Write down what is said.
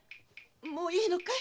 もういいのかい？